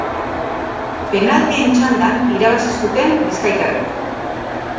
Penaltien txandan irabazi zuten bizkaitarrek.